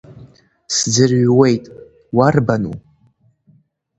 Сӡырҩуеит, уарбану?!